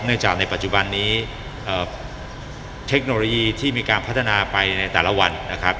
จากในปัจจุบันนี้เทคโนโลยีที่มีการพัฒนาไปในแต่ละวันนะครับ